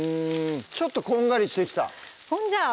ちょっとこんがりしてきたじゃあ